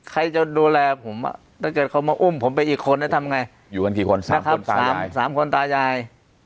ใครจะดูแลผมถ้าเกิดเขามาอุ้มผมไปอีกคนทำไงอยู่กันกี่คน๓คนตายาย